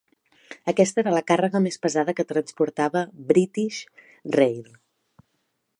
Aquesta era la càrrega més pesada que transportava British Rail.